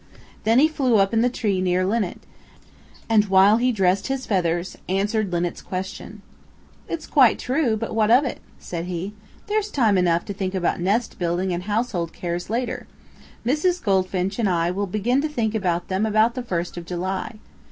Then he flew up in the tree near Linnet, and while he dressed his feathers, answered Linnet's question. "It's quite true, but what of it?" said he. "There's time enough to think about nest building and household cares later. Mrs. Goldfinch and I will begin to think about them about the first of July.